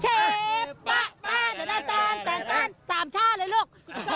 เชฟบ๊าตั้นสามช่าเลยลูก